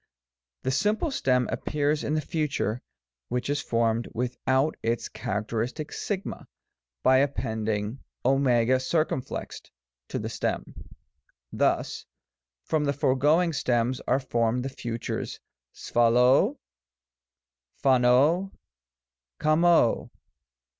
The simple stem appears in the Future, which is formed without its characteristic a, by appending ci to the stem. Thus, from the foregoing stems are formed the Futures ccpaX ciy (pav cj^ xccfx co.